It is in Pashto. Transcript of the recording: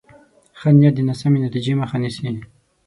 ښه نیت د ناسمې نتیجې مخه نیسي.